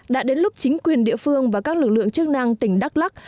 đã đến lúc chính quyền địa phương và các lực lượng chức năng tỉnh đắk lắc